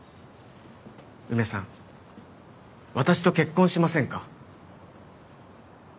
梅さん私と結婚しませんか？